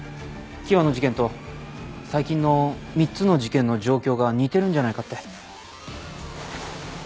喜和の事件と最近の３つの事件の状況が似てるんじゃないかって。